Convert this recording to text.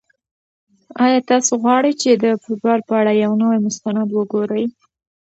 آیا تاسو غواړئ چې د فوټبال په اړه یو نوی مستند وګورئ؟